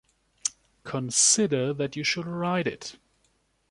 Consider that you should write it